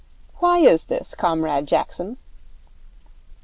Why is this, Comrade Jackson?'